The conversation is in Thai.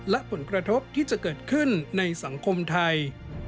และผลกระทบที่จะเกิดขึ้นในสังคมไทย